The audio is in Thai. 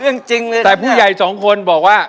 จริงเลยแต่ผู้ใหญ่สองคนบอกว่า